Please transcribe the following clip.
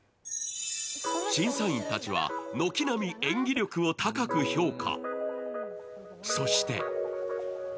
審査員たちは、軒並み演技力を高く評価。